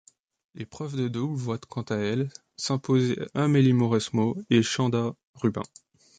L'épreuve de double voit quant à elle s'imposer Amélie Mauresmo et Chanda Rubin.